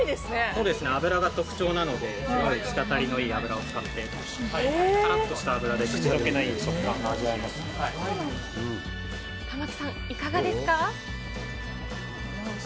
そうですね、脂が特徴なので、したたりのいい脂を使ってさらっとした脂で口どけのいい食感にな玉城さん、いかがですか。